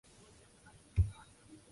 苏穆埃尔拉尔萨国王。